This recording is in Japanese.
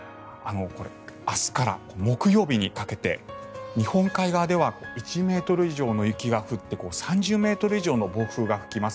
明日から木曜日にかけて日本海側では１ｍ以上の雪が降って３０ｍ以上の暴風が吹きます。